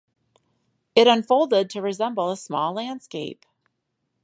It unfolded to resemble a small landscape.